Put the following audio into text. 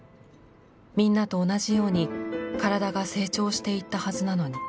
みんなと同じように体が成長していったはずなのに。